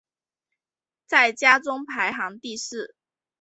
在家中排行第四。